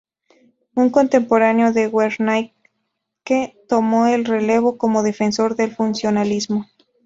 Un contemporáneo de Wernicke tomó el relevo como defensor del funcionalismo.